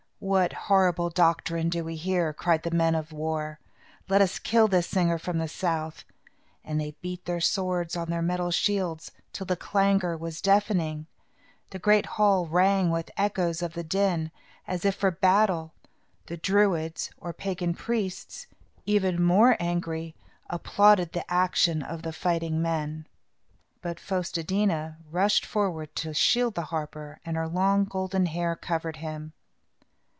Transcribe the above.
What horrible doctrine do we hear!" cried the men of war. "Let us kill this singer from the south." And they beat their swords on their metal shields, till the clangor was deafening. The great hall rang with echoes of the din, as if for battle. The Druids, or pagan priests, even more angry, applauded the action of the fighting men. But Fos te dí na rushed forward to shield the harper, and her long golden hair covered him.